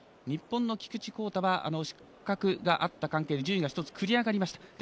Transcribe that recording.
日本の菊池耕太は失格があった関係で順位が１つ繰り上がりました。